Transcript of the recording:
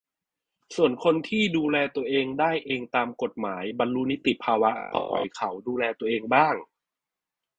ส่วนคนที่ดูแลตัวเองได้เองตามกฎหมาย บรรลุนิติภาวะ ก็ปล่อยเขาดูแลตัวเองบ้าง